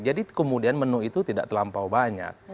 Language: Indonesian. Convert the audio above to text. jadi kemudian menu itu tidak terlampau banyak